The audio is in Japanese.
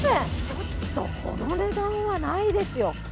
ちょっとこの値段はないですよ。